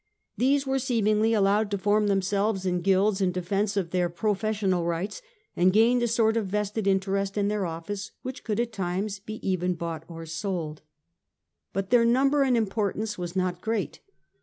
These were seemingly allowed to form themselves in guilds in defence of their professional rights, and gained a sort of vested interest in their office, which could at times be even bought or sold. But their number and importance was not great.